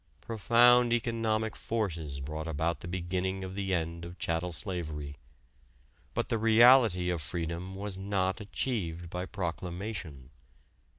Profound economic forces brought about the beginning of the end of chattel slavery. But the reality of freedom was not achieved by proclamation.